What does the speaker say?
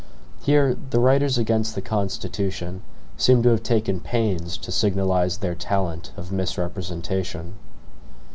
Here the writers against the Constitution seem to have taken pains to signalize their talent of misrepresentation.